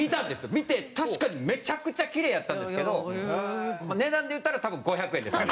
見て確かにめちゃくちゃキレイやったんですけど値段で言ったら多分５００円ですあれ。